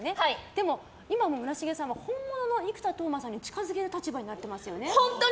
でも今、村重さんは本物の生田斗真さんに近づける立場になっていますよね。